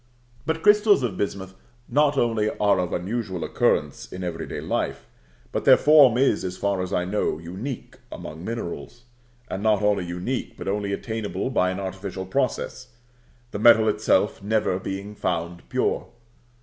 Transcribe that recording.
But crystals of bismuth not only are of unusual occurrence in every day life, but their form is, as far as I know, unique among minerals; and not only unique, but only attainable by an artificial process, the metal itself never being found pure.